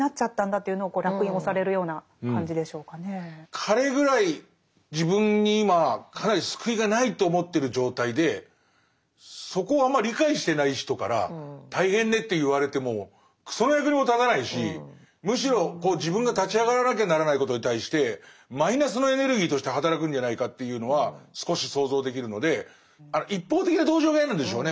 彼ぐらい自分に今かなり救いがないと思ってる状態でそこをあんま理解してない人から大変ねと言われてもクソの役にも立たないしむしろ自分が立ち上がらなきゃならないことに対してマイナスのエネルギーとして働くんじゃないかっていうのは少し想像できるので一方的な同情が嫌なんでしょうね。